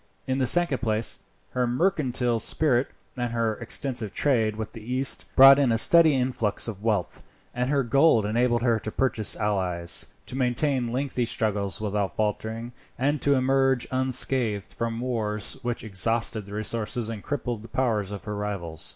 In the second place, her mercantile spirit, and her extensive trade with the East, brought in a steady influx of wealth, and her gold enabled her to purchase allies, to maintain lengthy struggles without faltering, and to emerge unscathed from wars which exhausted the resources, and crippled the powers, of her rivals.